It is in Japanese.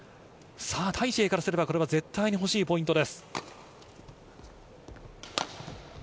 タイ・シエイからすればこれは絶対にほしいポイントです。